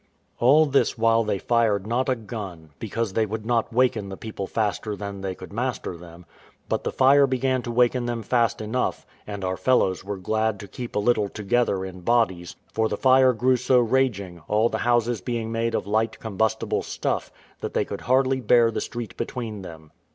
All this while they fired not a gun, because they would not waken the people faster than they could master them; but the fire began to waken them fast enough, and our fellows were glad to keep a little together in bodies; for the fire grew so raging, all the houses being made of light combustible stuff, that they could hardly bear the street between them.